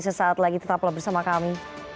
saya saat lagi tetaplah bersama kami